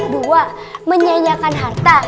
dua menyanyiakan harta